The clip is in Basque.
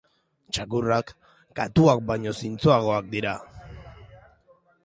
Txakurrak katuak baino zintzoagoak dira